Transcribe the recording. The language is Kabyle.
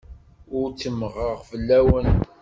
Ur ttemmɣeɣ fell-awen.